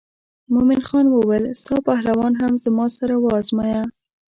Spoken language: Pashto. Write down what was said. مومن خان وویل ستا پهلوانان هم زما سره وازمایه.